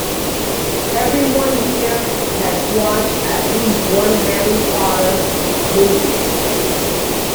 Everyone here has watched at least one harry potter movie.